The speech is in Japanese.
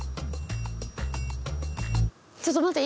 ちょっと待って。